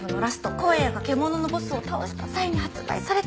光矢が獣のボスを倒した際に発売されたアクキー。